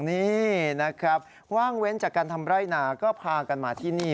นี่นะครับว่างเว้นจากการทำไร่นาก็พากันมาที่นี่